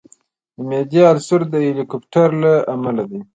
د معدې السر د هیليکوبیکټر له امله دی.